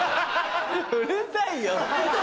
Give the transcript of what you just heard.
うるさいよ。